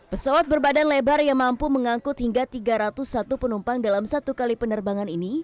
pesawat berbadan lebar yang mampu mengangkut hingga tiga ratus satu penumpang dalam satu kali penerbangan ini